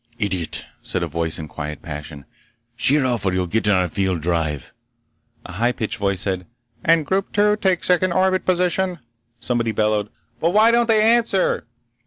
"Idiot!" said a voice in quiet passion, "sheer off or you'll get in our drive field!" A high pitched voice said; "... And group two take second orbit position—" Somebody bellowed: "But why don't they answer?"